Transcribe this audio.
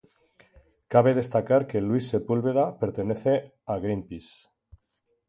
Cabe destacar que Luis Sepúlveda pertenece a Greenpeace.